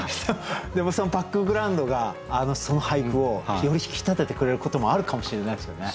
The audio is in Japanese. でもそのバックグラウンドがその俳句をより引き立ててくれることもあるかもしれないですよね？